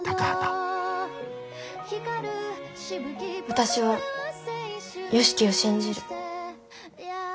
私は良樹を信じる。